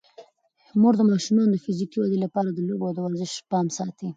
مور د ماشومانو د فزیکي ودې لپاره د لوبو او ورزش پام ساتي.